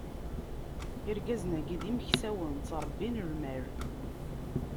Irgazen-agi d imeksawen, ttṛebbin lmal.